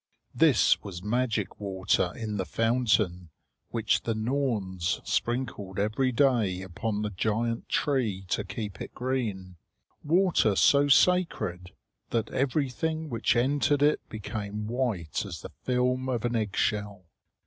This was magic water in the fountain, which the Norns sprinkled every day upon the giant tree to keep it green water so sacred that everything which entered it became white as the film of an eggshell.